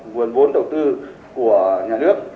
nguồn vốn đầu tư của nhà nước